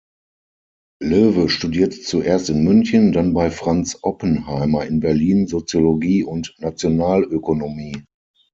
Löwe studierte zuerst in München, dann bei Franz Oppenheimer in Berlin Soziologie und Nationalökonomie.